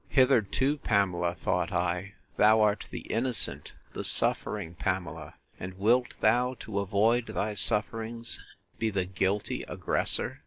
Hitherto, Pamela, thought I, thou art the innocent, the suffering Pamela; and wilt thou, to avoid thy sufferings, be the guilty aggressor?